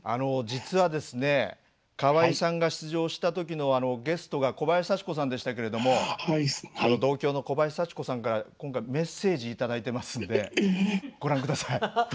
実はですね川合さんが出場した時のゲストが小林幸子さんでしたけれどもその同郷の小林幸子さんから今回メッセージ頂いてますんで。